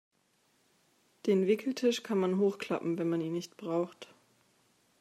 Den Wickeltisch kann man hochklappen, wenn man ihn nicht braucht.